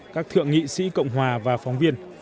các thượng nghị sĩ cộng hòa và phóng viên